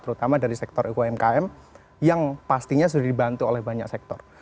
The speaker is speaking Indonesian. terutama dari sektor umkm yang pastinya sudah dibantu oleh banyak sektor